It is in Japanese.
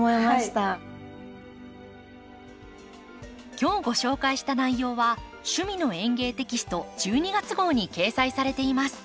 今日ご紹介した内容は「趣味の園芸」テキスト１２月号に掲載されています。